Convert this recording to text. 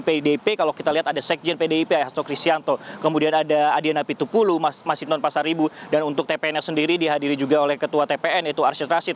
pdip kalau kita lihat ada sekjen pdip hasto kristianto kemudian ada adiana pitupulu mas hinton pasar ibu dan untuk tpns sendiri dihadiri juga oleh ketua tpn yaitu arsyad rashid